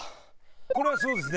これはそうですね。